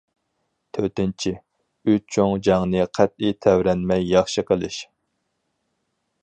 تۆتىنچى، ئۈچ چوڭ جەڭنى قەتئىي تەۋرەنمەي ياخشى قىلىش.